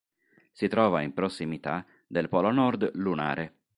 Si trova in prossimità del Polo Nord lunare.